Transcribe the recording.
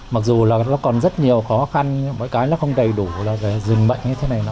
mặc dù là nó còn rất nhiều khó khăn mỗi cái nó không đầy đủ là dừng bệnh như thế này đó